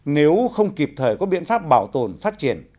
nếu không kịp thời có biện pháp bảo tồn phát triển